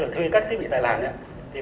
thuê các thiết bị tại làng